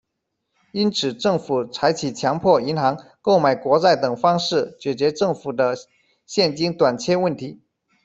因此政府采取强迫银行购买国债等方式解决政府的现金短缺问题。